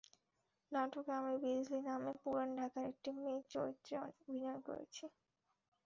নাটকে আমি বিজলী নামে পুরান ঢাকার একটি মেয়ের চরিত্রে অভিনয় করেছি।